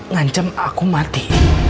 ngancam aku mati